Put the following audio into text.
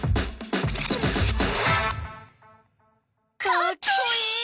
かっこいい！